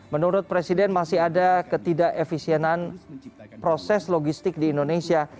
menurut presiden masih ada ketidakefisienan proses logistik di indonesia